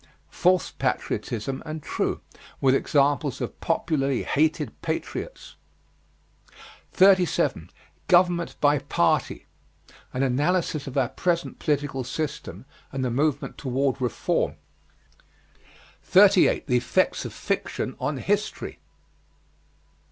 False patriotism and true, with examples of popularly hated patriots. 37. GOVERNMENT BY PARTY. An analysis of our present political system and the movement toward reform. 38. THE EFFECTS OF FICTION ON HISTORY.